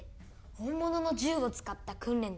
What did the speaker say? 本物の銃を使った訓練とか